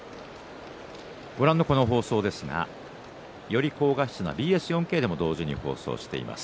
ご覧の放送はより鮮明なＢＳ４Ｋでも同時に放送しています。